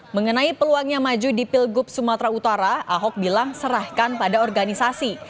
mengenai peluangnya maju di pilgub sumatera utara ahok bilang serahkan pada organisasi